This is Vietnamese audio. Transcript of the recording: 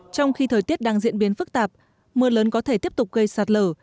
trong khi thời tiết đang diễn biến phức tạp mưa lớn có thể tiếp tục gây sạt lở